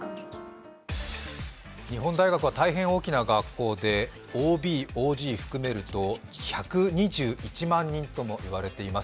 日本大学は大変大きな学校で、ＯＢ、ＯＧ含めると１２１万人とも言われています。